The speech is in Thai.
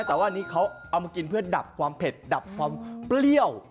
แต่ว่าอันนี้เขาเอามากินเพื่อดับความเผ็ดดับความเปรี้ยว